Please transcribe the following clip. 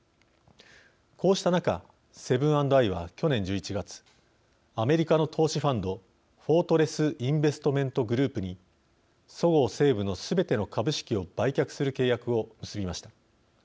こうした中セブン＆アイは去年１１月アメリカの投資ファンドフォートレス・インベストメント・グループにそごう・西武のすべての株式を売却する契約を結びました。